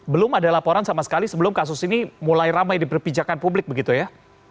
belum ada laporan sama sekali sebelum kasus ini mulai ramai diperpijakan publik begitu ya